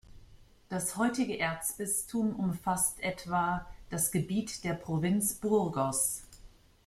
Das heutige Erzbistum umfasst etwa das Gebiet der Provinz Burgos.